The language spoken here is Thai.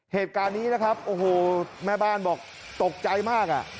เหตุการณ์นี้นะครับแม่บ้านบอกตกใจมาก